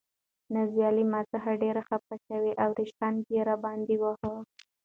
نازیه له ما څخه ډېره خفه شوه او ریشخند یې راباندې واهه.